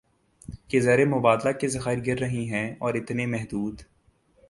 کہ زر مبادلہ کے ذخائر گر رہے ہیں اور اتنے محدود